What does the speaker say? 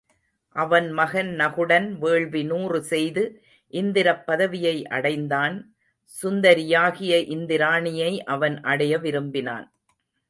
அவன் மகன் நகுடன் வேள்வி நூறு செய்து இந்திரப் பதவியை அடைந்தான், சுந்தரியாகிய இந்திராணியை அவன் அடைய விரும்பினான்.